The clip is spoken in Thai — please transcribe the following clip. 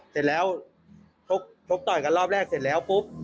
เสร็จแล้วชกต่อยกันรอบแรกเสร็จแล้วปุ๊บ